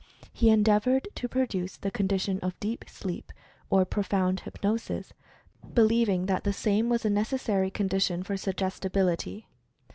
He endeavored to produce the condition of "deep sleep," or "profound hypnosis" believing that the same was a necessary condition for "suggestibility."